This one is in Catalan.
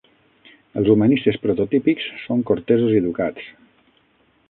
Els humanistes prototípics són cortesos i educats.